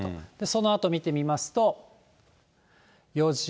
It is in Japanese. そのあと見てみますと、４時、